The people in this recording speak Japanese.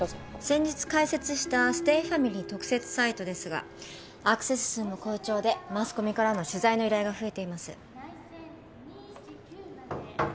先日開設したステイファミリー特設サイトですがアクセス数も好調でマスコミからの取材の依頼が増えています。